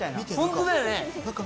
本当だよね！